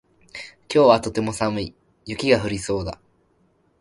今日はとても寒い。雪が降りそうだ。